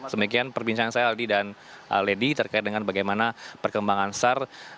demikian perbincangan saya aldi dan lady terkait dengan bagaimana perkembangan sar